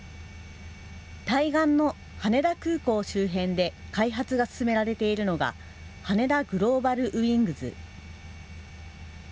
対岸の羽田空港周辺で開発が進められているのがハネダグローバルウイングズ。